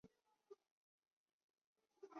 而厄瓜多尔共和国也因此成立。